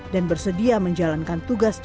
dan bersedia menjalankan tugas tituler